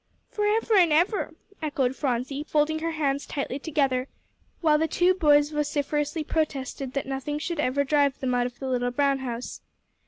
"Forever'n ever," echoed Phronsie, folding her hands tightly together; while the two boys vociferously protested that nothing should ever drive them out of the little brown house.